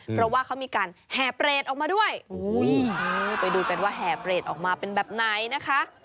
เพราะว่าเขามีการแห่เปรตออกมาด้วยไปดูกันว่าแห่เปรตออกมาเป็นแบบไหนนะคะ